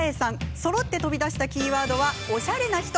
そろって飛び出したキーワードはおしゃれな人。